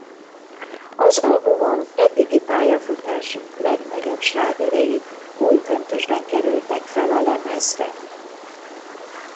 Az albumon eddigi pályafutásuk legnagyobb slágerei új köntösben kerültek fel a lemezre.